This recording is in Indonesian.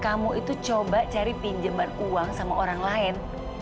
kamu itu coba cari pinjaman uang sama orang lain